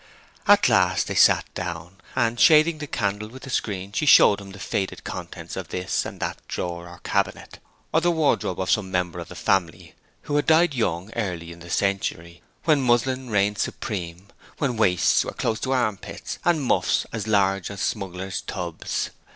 At last they sat down, and, shading the candle with a screen, she showed him the faded contents of this and that drawer or cabinet, or the wardrobe of some member of the family who had died young early in the century, when muslin reigned supreme, when waists were close to arm pits, and muffs as large as smugglers' tubs.